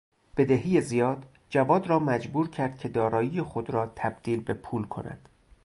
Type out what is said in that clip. بدهی زیاد جواد را مجبور کرد که دارایی خود را تبدیل به پول کند.